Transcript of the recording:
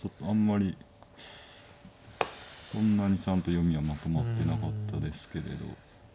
そんなにちゃんと読みはまとまってなかったですけれど。